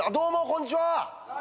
こんにちは。